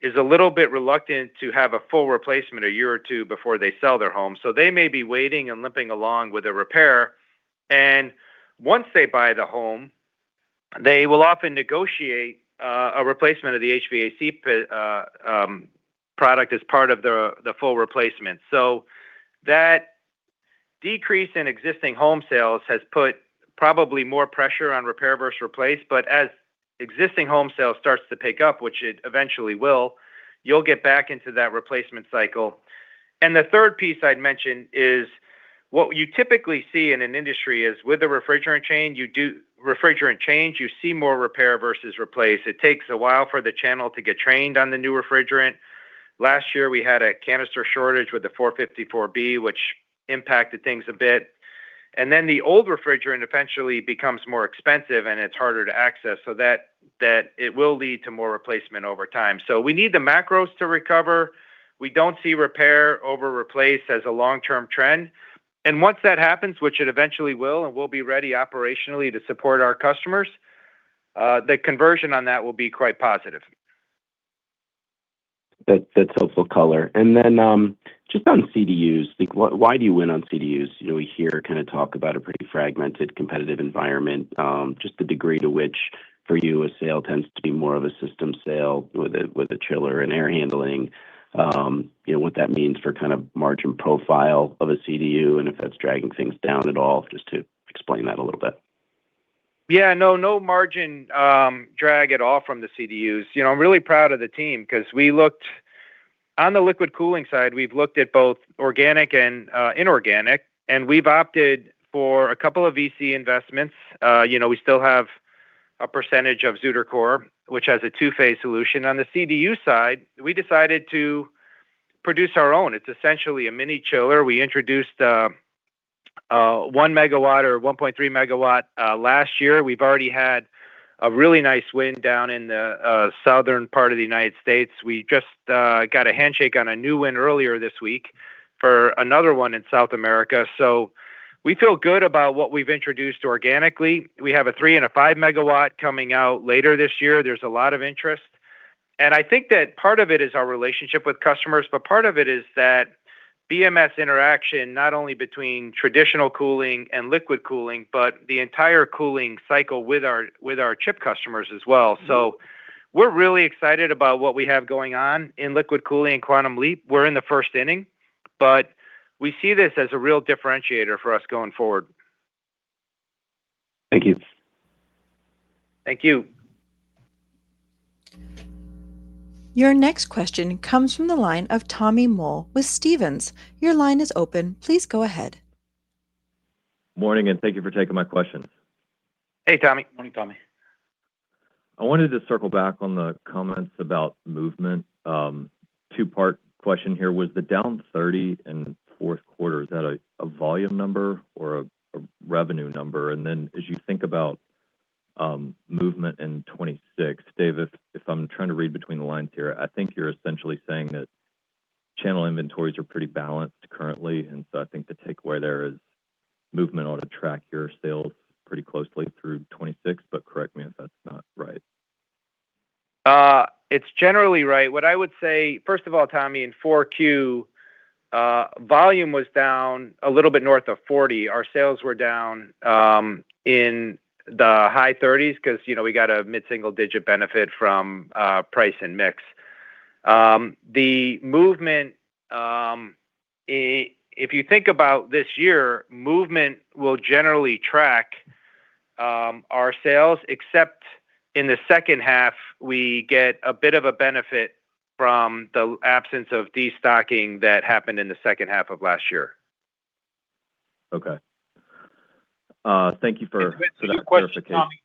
is a little bit reluctant to have a full replacement a year or two before they sell their home. So they may be waiting and limping along with a repair, and once they buy the home. They will often negotiate a replacement of the HVAC product as part of the full replacement. So that decrease in existing home sales has put probably more pressure on repair versus replace. But as existing home sales starts to pick up, which it eventually will, you'll get back into that replacement cycle. And the third piece I'd mention is, what you typically see in an industry is, with a refrigerant change, you see more repair versus replace. It takes a while for the channel to get trained on the new refrigerant. Last year, we had a canister shortage with the R-454B, which impacted things a bit. And then the old refrigerant eventually becomes more expensive, and it's harder to access, so that it will lead to more replacement over time. So we need the macros to recover. We don't see repair over replace as a long-term trend. And once that happens, which it eventually will, and we'll be ready operationally to support our customers, the conversion on that will be quite positive. That's helpful color. And then, just on CDUs, like, why do you win on CDUs? You know, we hear kind of talk about a pretty fragmented, competitive environment. Just the degree to which, for you, a sale tends to be more of a system sale with a chiller and air handling. You know, what that means for kind of margin profile of a CDU, and if that's dragging things down at all, just to explain that a little bit. Yeah. No, no margin drag at all from the CDUs. You know, I'm really proud of the team 'cause we looked. On the liquid cooling side, we've looked at both organic and inorganic, and we've opted for a couple of VC investments. You know, we still have a percentage of ZutaCore, which has a two-phase solution. On the CDU side, we decided to produce our own. It's essentially a mini chiller. We introduced a 1 megawatt or 1.3 megawatt last year. We've already had a really nice win down in the southern part of the United States. We just got a handshake on a new win earlier this week for another one in South America. So we feel good about what we've introduced organically. We have a 3 and a 5 megawatt coming out later this year. There's a lot of interest, and I think that part of it is our relationship with customers, but part of it is that BMS interaction, not only between traditional cooling and liquid cooling, but the entire cooling cycle with our, with our chip customers as well. Mm-hmm. So we're really excited about what we have going on in liquid cooling and Quantum Leap. We're in the first inning, but we see this as a real differentiator for us going forward. Thank you. Thank you. Your next question comes from the line of Tommy Moll with Stephens. Your line is open. Please go ahead. Morning, and thank you for taking my questions. Hey, Tommy. Morning, Tommy. I wanted to circle back on the comments about movement. Two-part question here: Was the down 30 in the fourth quarter a volume number or a revenue number? And then, as you think about movement in 2026, Dave, if I'm trying to read between the lines here, I think you're essentially saying that channel inventories are pretty balanced currently. And so I think the takeaway there is movement ought to track your sales pretty closely through 2026, but correct me if that's not right. It's generally right. What I would say... First of all, Tommy, in Q4, volume was down a little bit north of 40%. Our sales were down in the high 30s, 'cause, you know, we got a mid-single-digit benefit from price and mix. The movement, if you think about this year, movement will generally track our sales, except in the second half, we get a bit of a benefit from the absence of destocking that happened in the second half of last year. Okay. Thank you for- To answer your question, Tommy-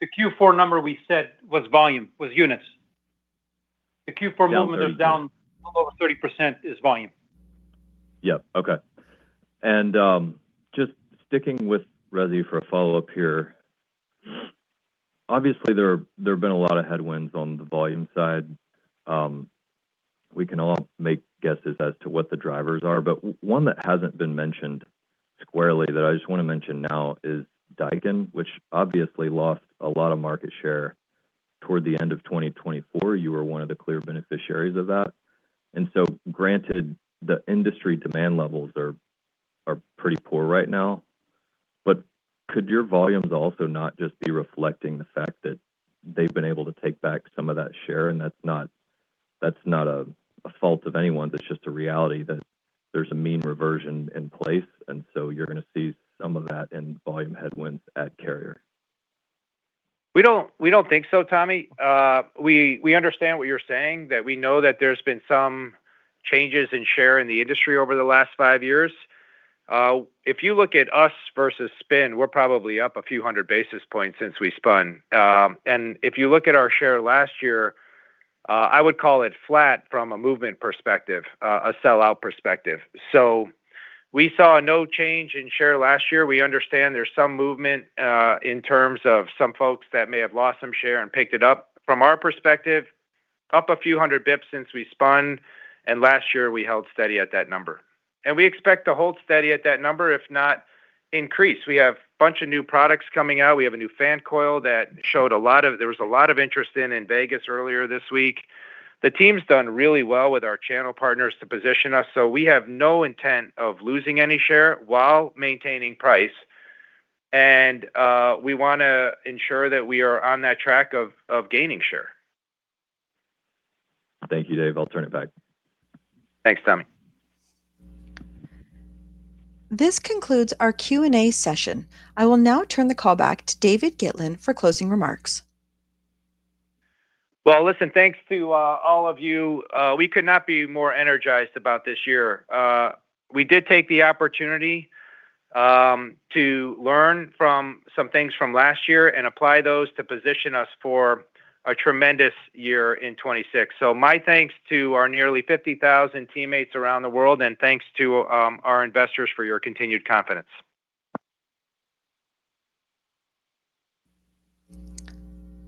The Q4 number we said was volume, was units. The Q4 number- Down thirty... is down a little over 30% is volume. Yep. Okay. And just sticking with Resi for a follow-up here. Obviously, there have been a lot of headwinds on the volume side. We can all make guesses as to what the drivers are, but one that hasn't been mentioned squarely, that I just want to mention now, is Daikin, which obviously lost a lot of market share toward the end of 2024. You were one of the clear beneficiaries of that. And so, granted, the industry demand levels are pretty poor right now, but could your volumes also not just be reflecting the fact that they've been able to take back some of that share? And that's not a fault of anyone's. It's just a reality that there's a mean reversion in place, and so you're gonna see some of that in volume headwinds at Carrier. We don't think so, Tommy. We understand what you're saying, that we know that there's been some changes in share in the industry over the last five years. If you look at us versus spin, we're probably up a few hundred basis points since we spun. And if you look at our share last year, I would call it flat from a movement perspective, a sell-out perspective. So we saw no change in share last year. We understand there's some movement in terms of some folks that may have lost some share and picked it up. From our perspective, up a few hundred basis points since we spun, and last year we held steady at that number. And we expect to hold steady at that number, if not increase. We have a bunch of new products coming out. We have a new fan coil. There was a lot of interest in it in Vegas earlier this week. The team's done really well with our channel partners to position us, so we have no intent of losing any share while maintaining price, and we wanna ensure that we are on that track of gaining share. Thank you, Dave. I'll turn it back. Thanks, Tommy. This concludes our Q&A session. I will now turn the call back to David Gitlin for closing remarks. Well, listen, thanks to all of you. We could not be more energized about this year. We did take the opportunity to learn from some things from last year and apply those to position us for a tremendous year in 2026. So my thanks to our nearly 50,000 teammates around the world, and thanks to our investors for your continued confidence.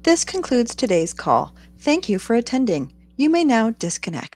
This concludes today's call. Thank you for attending. You may now disconnect.